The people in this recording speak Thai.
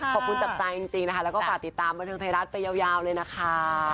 ขอบคุณจากใจจริงนะคะแล้วก็ฝากติดตามบันเทิงไทยรัฐไปยาวเลยนะคะ